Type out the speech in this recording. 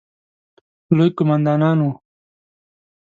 لوی قوماندان وو.